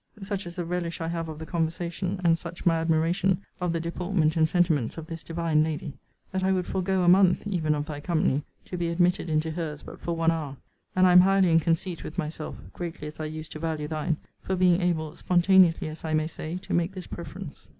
Such is the relish I have of the conversation, and such my admiration of the deportment and sentiments of this divine lady, that I would forego a month, even of thy company, to be admitted into her's but for one hour: and I am highly in conceit with myself, greatly as I used to value thine, for being able, spontaneously as I may say, to make this preference.